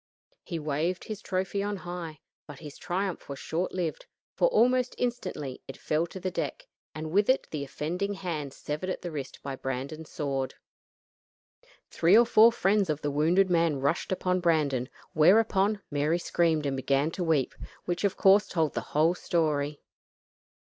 He waved his trophy on high, but his triumph was short lived, for almost instantly it fell to the deck, and with it the offending hand severed at the wrist by Brandon's sword. Three or four friends of the wounded man rushed upon Brandon; whereupon Mary screamed and began to weep, which of course told the whole story.